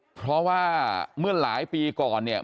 เพราะว่าเมื่อหลายปีก่อนเนี่ย